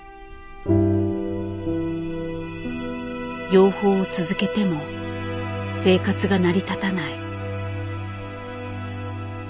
養蜂を続けても生活が成り立たない。